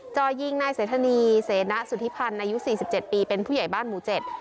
จ่อยยิงนายเศรษฐณีเสนสุธิพันธ์อายุ๔๗ปีเป็นผู้ใหญ่บ้านหมู่เจ็ด